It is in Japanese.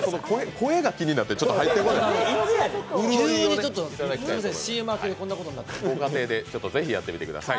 声が気になって入ってこない。